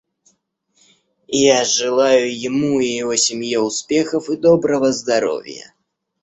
Я желаю ему и его семье успехов и доброго здоровья.